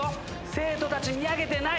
生徒たち見上げてない。